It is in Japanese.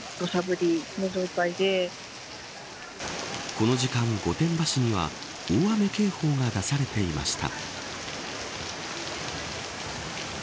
この時間、御殿場市には大雨警報が出されていました。